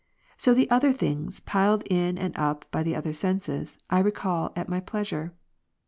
So the other things, piled in and up by the other senses, I recall at my pleasure.